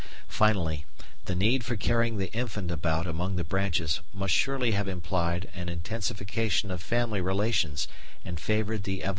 Finally, the need for carrying the infant about among the branches must surely have implied an intensification of family relations, and favoured the evolution of gentleness.